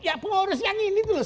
ya pengurus yang ini terus